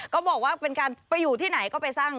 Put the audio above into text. บอกว่าเป็นการไปอยู่ที่ไหนก็ไปสร้าง